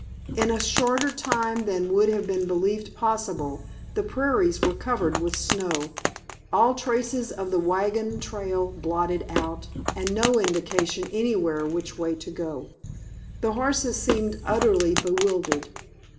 In a shorter time than would have been believed possible the prairies were covered with snow, all traces of the wagon trail blotted out, and no indication anywhere which way to go. The horses seemed utterly bewildered.